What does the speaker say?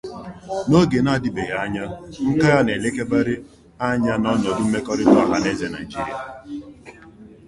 N'oge na-adịbeghị anya, nkà ya na-elebakarị anya n'ọnọdụ mmekọrịta ọha na eze Naịjirịa.